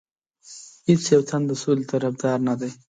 هیڅ یو تن د سولې طرفدار نه دی.